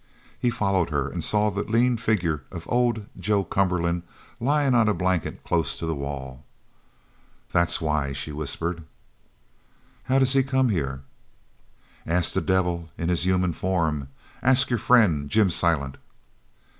He followed her and saw the lean figure of old Joe Cumberland lying on a blanket close to the wall. "That's why!" she whispered. "How does he come here?" "Ask the devil in his human form! Ask your friend, Jim Silent!"